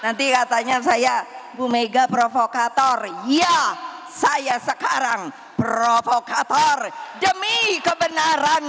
nanti katanya saya bumega provokator ya saya sekarang provokator demi keadilan